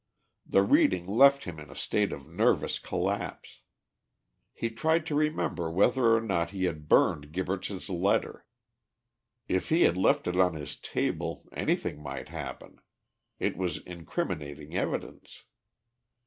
The reading left him in a state of nervous collapse. He tried to remember whether or not he had burned Gibberts' letter. If he had left it on his table, anything might happen. It was incriminating evidence.